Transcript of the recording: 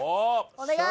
お願い！